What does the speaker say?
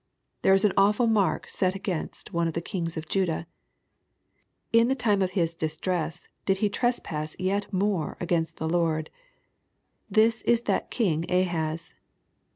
There is an awful mark set against one of the kings of Judah :^^ In the time of his distress he did trespass jet more against the Lord : this is that king Ahaz."